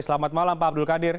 selamat malam pak abdul qadir